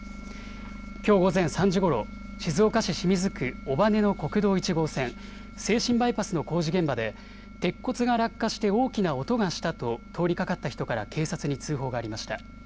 きょう午前３時ごろ、静岡市清水区尾羽の国道１号線、静清バイパスの工事現場で鉄骨が落下して大きな音がしたと通りかかった人から警察に通報がありました。